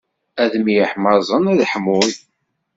Ad myeḥmaẓen ad ḥmun.